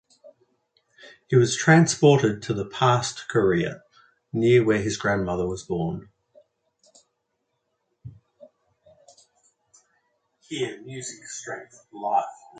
He was transported to the past Korea, near where his grandmother was born.